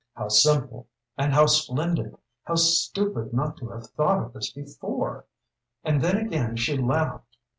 How simple and how splendid! How stupid not to have thought of this before! And then again she laughed.